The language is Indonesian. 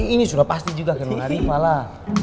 ini sudah pasti juga kan nona riva lah